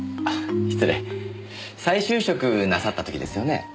再就職なさった時ですよね。